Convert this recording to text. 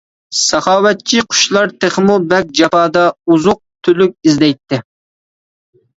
ساخاۋەتچى قۇشلار تېخىمۇ بەك جاپادا ئوزۇق-تۈلۈك ئىزدەيتتى.